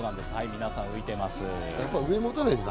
皆さん、浮いてます。